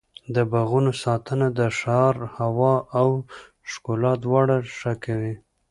د باغونو ساتنه د ښار هوا او ښکلا دواړه ښه کوي.